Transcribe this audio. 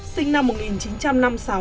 sinh năm một nghìn chín trăm năm mươi sáu